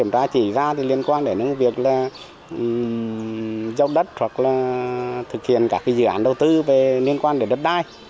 trong đất hoặc là thực hiện các dự án đầu tư về liên quan đến đất đai